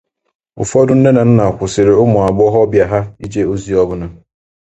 Ụfọdụ nne na nna kwụsịrị ụmụagbọghọbịa ha ije ozi ọbụna.